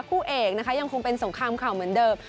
คู่เอกนะคะยังคงเป็นสงครามข่าวเหมือนเดิม